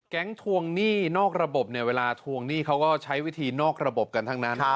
ทวงหนี้นอกระบบเนี่ยเวลาทวงหนี้เขาก็ใช้วิธีนอกระบบกันทั้งนั้น